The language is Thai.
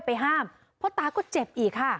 ห้ามพ่อตาก็เจ็บอีกค่ะ